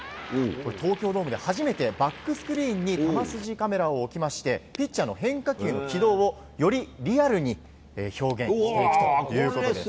東京ドームで初めてバックスクリーンに球筋カメラを置きましてピッチャーの変化球の軌道をよりリアルに表現していくということです。